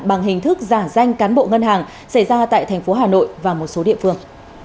bằng hình thức giả danh cán bộ ngân hàng xảy ra tại thành phố hà nội và một số địa phương